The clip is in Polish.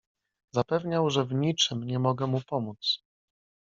"Zapewniał, że w niczem nie mogę mu pomóc."